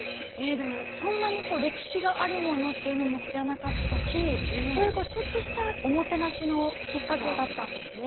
そんなに歴史があるものっていうのも知らなかったしそういうちょっとしたおもてなしのきっかけだったんですね。